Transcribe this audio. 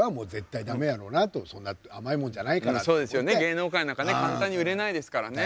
芸能界なんかね簡単に売れないですからね。